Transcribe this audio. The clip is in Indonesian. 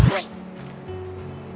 masih smit kan